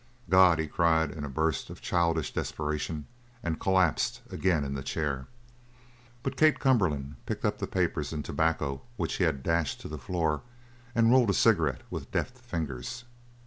"God!" he cried, in a burst of childish desperation, and collapsed again in the chair. But Kate Cumberland picked up the papers and tobacco which he had dashed to the floor and rolled a cigarette with deft fingers.